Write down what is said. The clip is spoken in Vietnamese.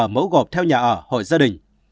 mẫu gộp theo nhà ở hội gia đình